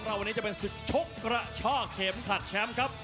วันนี้จะเป็นศึกชกกระช่อเข็มขัดแชมป์ครับ